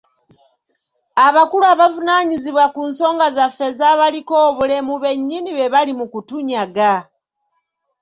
Abakulu abavunaanyizibwa ku nsonga zaffe ez'abaliko obulemu bennyini be bali mu kutunyaga